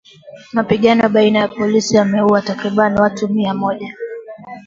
Mapigano baina ya polisi yameuwa takriban watu mia moja.